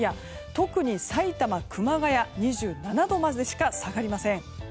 特に、さいたま、熊谷２７度までしか下がりません。